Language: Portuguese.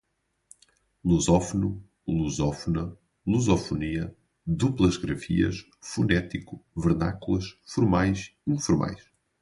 lusófono, lusófona, lusofonia, duplas grafias, fonético, vernáculas, formais, informais